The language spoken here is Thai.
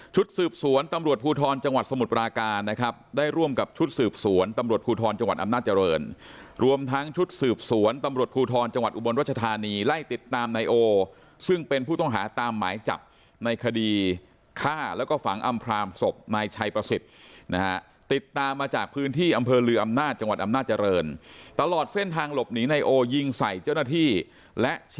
ชุดสืบสวนตำรวจภูทรจังหวัดสมุทรปราการนะครับได้ร่วมกับชุดสืบสวนตำรวจภูทรจังหวัดอำนาจรรย์รวมทั้งชุดสืบสวนตำรวจภูทรจังหวัดอุบรรชธานีไล่ติดตามไนโอซึ่งเป็นผู้ต้องหาตามหมายจับในคดีฆ่าแล้วก็ฝังอำพราหมณ์ศพนายชายประสิทธิ์นะฮะติดตามมาจากพื้นที่อำเภ